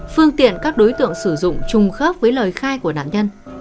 phương tiện các đối tượng sử dụng chung khớp với lời khai của đạn nhân